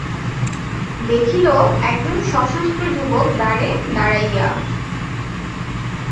দেখিল একজন সশস্ত্র যুবক দ্বারে দাঁড়াইয়া।